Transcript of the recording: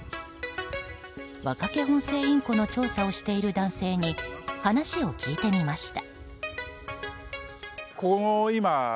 ワカケホンセイインコの調査をしている男性に話を聞いてみました。